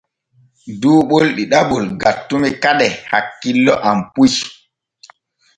Duu ɓol ɗiɗaɓol gattumi kade hakkilo am puy.